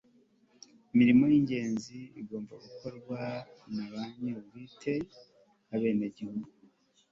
imirimo y'ingenzi igomba gukorwa na banyir'ubwite (abenegihugu